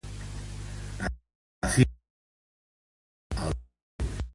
Afirmen el Credo dels Apòstols.